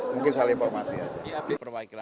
mungkin salah informasi ya